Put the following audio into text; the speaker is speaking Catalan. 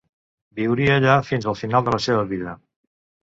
Viuria allà fins al final de la seva vida.